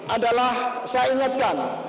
adalah saya ingatkan